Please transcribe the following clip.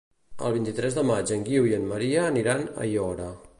El vint-i-tres de maig en Guiu i en Maria aniran a Aiora.